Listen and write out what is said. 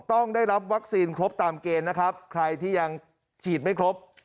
ต้องได้รับวัคซีนครบตามเกณฑ์นะครับใครที่ยังฉีดไม่ครบ